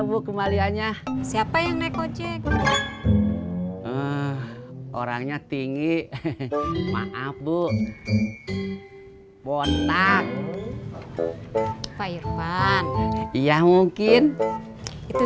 bu kembaliannya siapa yang naik ojek orangnya tinggi maaf bu bonak pak irfan iya mungkin itu